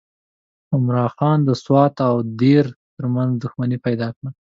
عمرا خان د سوات او دیر ترمنځ دښمني پیدا کړه.